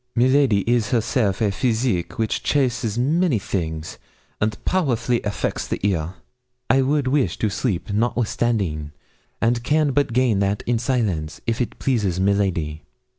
'Mi ladi is herself a physic which chases many things, and powerfully affects the ear. I would wish to sleep, notwithstanding, and can but gain that in silence, if it pleases mi ladi.'